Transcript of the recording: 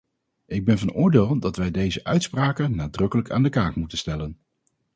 Ik ben van oordeel dat wij deze uitspraken nadrukkelijk aan de kaak moeten stellen.